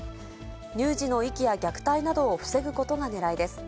乳児の遺棄や虐待などを防ぐことがねらいです。